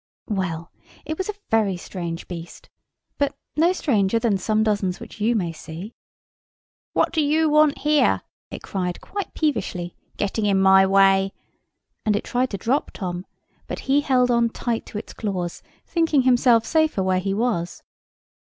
Well, it was a very strange beast; but no stranger than some dozens which you may see. "What do you want here," it cried quite peevishly, "getting in my way?" and it tried to drop Tom: but he held on tight to its claws, thinking himself safer where he was.